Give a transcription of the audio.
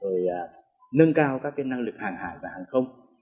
rồi nâng cao các năng lực hàng hải và hàng không